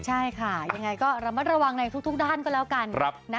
ใช่ค่ะยังไงก็ระมัดระวังในทุกด้านก็แล้วกัน